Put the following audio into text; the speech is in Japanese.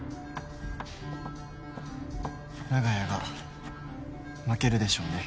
長屋が負けるでしょうね。